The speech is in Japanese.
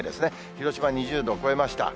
広島２０度を超えました。